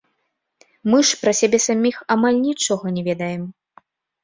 Мы ж пра сябе саміх амаль нічога не ведаем.